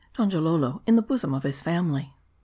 DONJALOLO IN THE BOSOM OF HIS FAMILY.